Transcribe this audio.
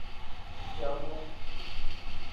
جامو